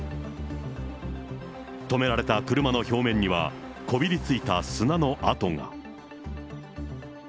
止められた車の表面には、こびりついた砂の跡が。